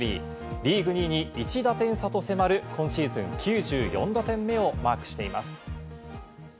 リーグ２位に１打点差と迫る今シーズン９４打点目をマークしています。